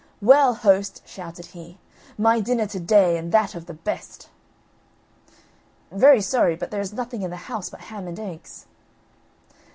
"Well, host," shouted he, "my dinner to day, and that of the best." "Very sorry, but there is nothing in the house but ham and eggs."